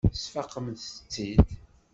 Tesfaqemt-tt-id.